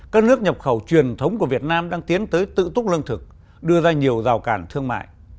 các nước nhập khẩu truyền thống của việt nam đang tiến tới tự túc lương thực đưa ra nhiều rào cản thương mại